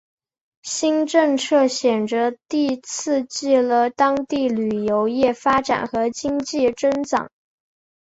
新政策显着地刺激了当地旅游业发展和经济增长。